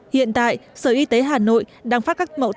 hiện tại sở y tế hà nội đang phát các mẫu